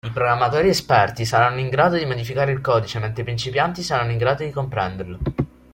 I programmatori esperti saranno in grado di modificare il codice mentre i principianti saranno in grado di comprenderlo.